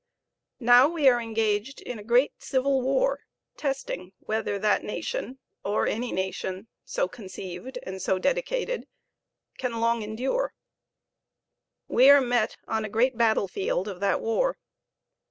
Now we are engaged in a great civil war. . .testing whether that nation, or any nation so conceived and so dedicated. .. can long endure. We are met on a great battlefield of that war.